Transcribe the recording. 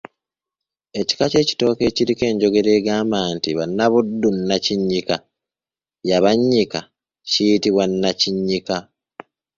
Ekika ky’ekitooke ekiriko enjogera egamba nti “Bannabuddu Nnakinnyika yabannyika” kiyitibwa Nnakinnyika.